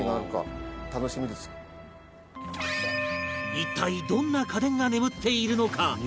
一体、どんな家電が眠っているのか？